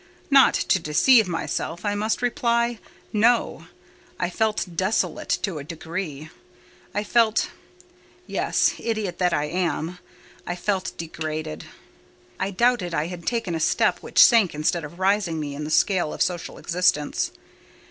Not to deceive myself, I must reply—No: I felt desolate to a degree. I felt—yes, idiot that I am—I felt degraded. I doubted I had taken a step which sank instead of raising me in the scale of social existence.